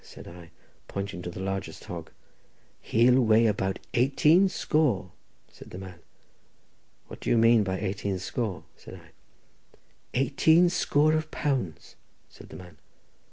said I, pointing to the largest hog. "He'll weigh about eighteen score," said the man. "What do you mean by eighteen score?" said I. "Eighteen score of pounds," said the man.